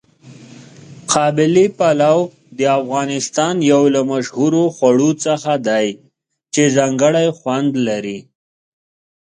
قابلي پلو د افغانستان یو له مشهورو خواړو څخه دی چې ځانګړی خوند لري.